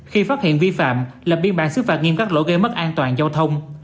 khi phát hiện vi phạm lập biên bản xứ phạt nghiêm các lỗi gây mất an toàn giao thông